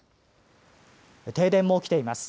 停電も起きています。